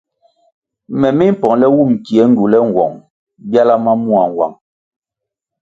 Me mi mpongʼle wum kie ngywule nwong byala ma mua nwang.